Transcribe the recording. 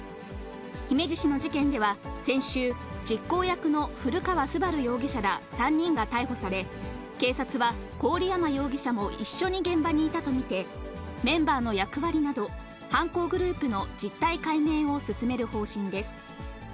姫路市の事件では、先週、実行役の古川昴容疑者ら３人が逮捕され、警察は、郡山容疑者も一緒に現場にいたと見て、メンバーの役割など、犯行グループの実態解明を進める方針です。